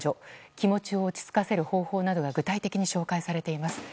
気持ちを落ち着かせる方法などが具体的に紹介されています。